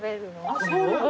あっそうなの？